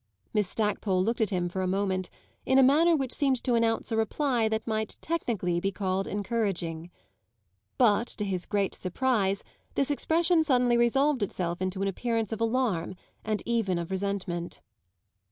Miss Stackpole looked at him for a moment in a manner which seemed to announce a reply that might technically be called encouraging. But to his great surprise this expression suddenly resolved itself into an appearance of alarm and even of resentment.